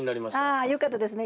ああよかったですね。